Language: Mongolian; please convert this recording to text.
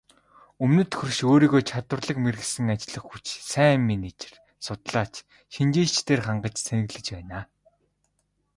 Өмнөд хөрш өөрийгөө чадварлаг мэргэшсэн ажиллах хүч, сайн менежер, судлаач, шинжээчдээр хангаж цэнэглэж байна.